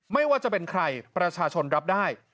ไม่ว่าจะเป็นใครประชาชนรับได้